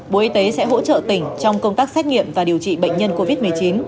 bộ y tế sẽ hỗ trợ tỉnh trong công tác xét nghiệm và điều trị bệnh nhân covid một mươi chín